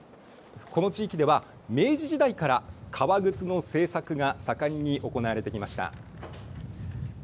この地域では、明治時代から革靴の製作が盛んに行われてきました。